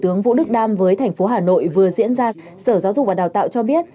tướng vũ đức đam với thành phố hà nội vừa diễn ra sở giáo dục và đào tạo cho biết